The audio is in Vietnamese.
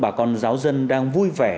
và bà con giáo dân đang vui vẻ